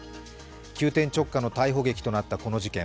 急転直下の逮捕劇となったこの事件。